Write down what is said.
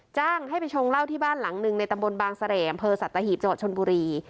จ้างให้ไปชงเหล้าที่บ้านหลังหนึ่งในตำบลบางเสร่มเพอร์สัตว์ตะหีบเจาะชนบุรี